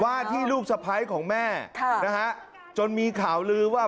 ว่าที่ลูกสไพร้ของแม่จนมีข่าวลือว่า